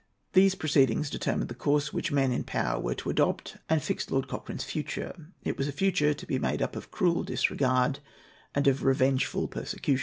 These proceedings determined the course which men in power were to adopt, and fixed Lord Cochrane's future. It was a future to be made up of cruel disregard and of revengeful persecution.